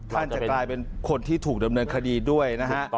ท่านจะกลายเป็นคนที่ถูกดำเนินคดีด้วยนะฮะ